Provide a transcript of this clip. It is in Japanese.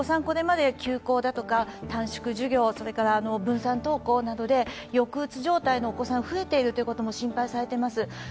これまで休校だとか短縮授業、それから分散登校などで抑うつ状態のお子さんが増えているということも心配されてます。